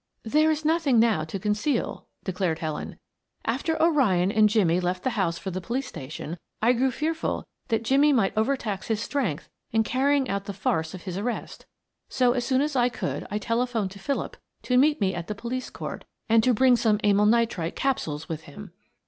"There is nothing now to conceal," declared Helen. "After O'Ryan and Jimmie left the house for the police station I grew fearful that Jimmie might over tax his strength in carrying out the farce of his arrest. So as soon as I could I telephoned to Philip to meet me at the police court and to bring some amyl nitrite capsules with him."